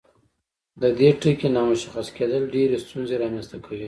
د دې ټکي نامشخص کیدل ډیرې ستونزې رامنځته کوي.